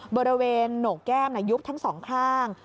บริเวณโหนกแก้มยุบทั้งสองข้าง